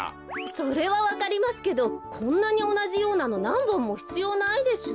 それはわかりますけどこんなにおなじようなのなんぼんもひつようないでしょ？